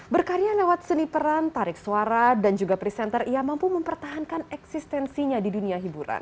berkarya lewat seni peran tarik suara dan juga presenter ia mampu mempertahankan eksistensinya di dunia hiburan